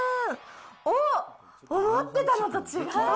おっ、思ってたのと違う。